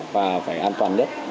và phải an toàn nhất